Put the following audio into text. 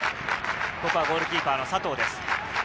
前を向いて、ここはゴールキーパーの佐藤です。